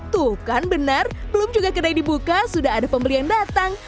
tuh kan benar belum juga kedai dibuka sudah ada pembeli yang datang